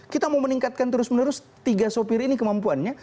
kita mau meningkatkan terus menerus tiga sopir ini kemampuannya